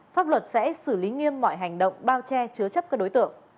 pháp luật sẽ xử lý nghiêm mọi hành động bao che chứa chấp các đối tượng